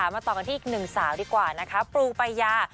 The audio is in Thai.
มาต่อกันที่อีกหนึ่งสาวดีกว่านะคะปูปายา